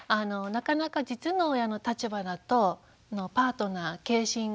なかなか実の親の立場だとパートナー継親